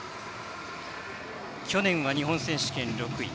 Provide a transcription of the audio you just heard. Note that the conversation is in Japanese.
去年は日本選手権６位。